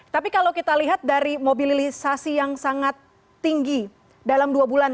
tapi kalau kita lihat dari mobilisasi yang sangat tinggi dalam dua bulan